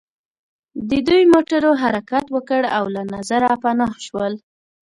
د دوی موټرو حرکت وکړ او له نظره پناه شول